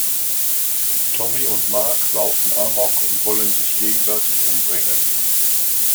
Tommy und Mark laufen Amok und wollen sich gegenseitig umbringen.